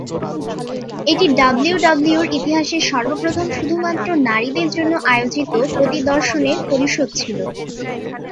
এটি ডাব্লিউডাব্লিউইর ইতিহাসে সর্বপ্রথম শুধুমাত্র নারীদের জন্য আয়োজিত প্রতি-দর্শনে-পরিশোধ ছিল।